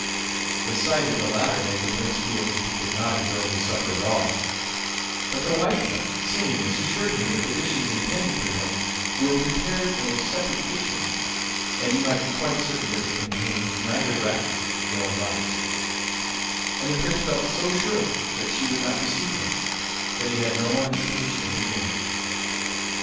The sight of the latter made the Prince feel as if he could not enjoy his supper at all; but the White Cat, seeing this, assured him that the dishes intended for him were prepared in a separate kitchen, and he might be quite certain that they contained neither rats nor mice; and the Prince felt so sure that she would not deceive him that he had no more hesitation in beginning.